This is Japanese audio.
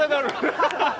アハハハ！